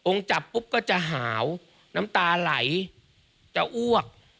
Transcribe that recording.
จับปุ๊บก็จะหาวน้ำตาไหลจะอ้วก